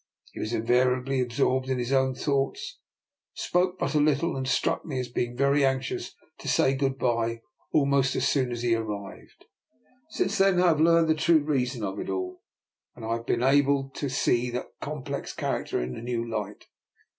He was invariably absorbed in his own thoughts, spoke but little, and struck me as being anxious to say good bye almost as soon as he arrived. Since then I have learned the true reason of it all, and I have been able DR. NIKOLA'S EXPERIMENT. 263 to see that complex character in a new Hght.